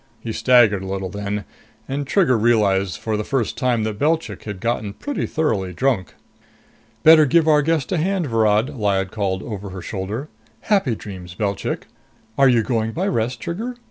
He staggered a little then, and Trigger realized for the first time that Belchy had got pretty thoroughly drunk. "Better give our guest a hand, Virod," Lyad called over her shoulder. "Happy dreams, Belchik! Are you going by Rest, Trigger?